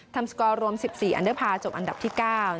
สกอร์รวม๑๔อันเดอร์พาร์จบอันดับที่๙